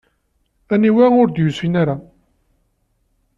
Aniwa ur d-yusin ara?